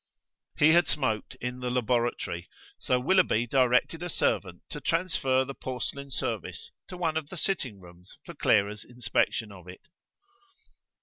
He had smoked in the laboratory, so Willoughby directed a servant to transfer the porcelain service to one of the sitting rooms for Clara's inspection of it.